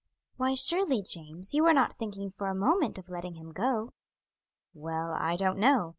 "Why, surely, James, you are not thinking for a moment of letting him go?" "Well, I don't know.